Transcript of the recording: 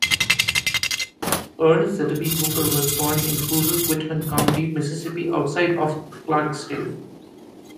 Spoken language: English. Earl Zebedee Hooker was born in rural Quitman County, Mississippi, outside of Clarksdale.